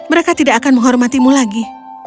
mereka tidak akan menghormatimu lagi